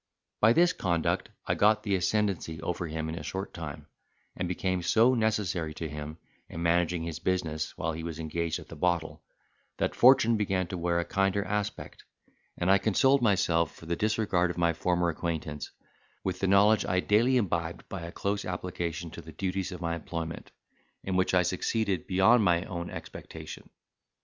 By this conduct I got the ascendancy over him in a short time, and became so necessary to him, in managing his business while he was engaged at the bottle, that fortune began to wear a kinder aspect; and I consoled myself for the disregard of my former acquaintance, with the knowledge I daily imbibed by a close application to the duties of my employment, in which I succeeded beyond my own expectation.